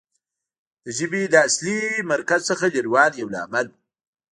د ژبې له اصلي مرکز څخه لرې والی یو لامل و